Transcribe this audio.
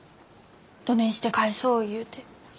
どねんして返そう言うて。